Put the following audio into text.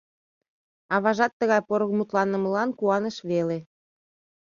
Аважат тыгай поро мутланымылан куаныш веле.